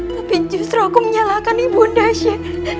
tapi justru aku menyalahkan ibu nda shea